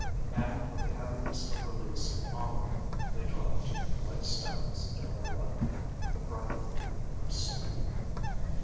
And with the heaviness of release on them, they dropped, like stones down a well, the bright pool of sleep.